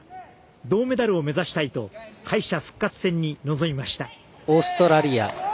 銅メダルを目指したいと敗者復活戦に臨みました。